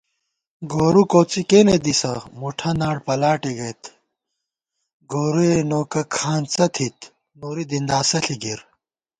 گورُوکوڅی کېنےدِسہ مُٹھہ ناڑ پَلاٹےگَئیت * گورُوئےنوکہ کھانڅہ تھِت نوری دِنداسہ ݪی گِر